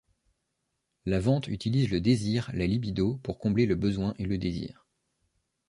La vente utilise le désir, la libido, pour combler le besoin et le désir.